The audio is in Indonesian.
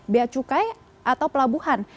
biaya cukai atau pelabuhan